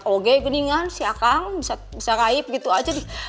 oke gini kan siakang bisa raib gitu aja